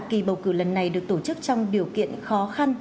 kỳ bầu cử lần này được tổ chức trong điều kiện khó khăn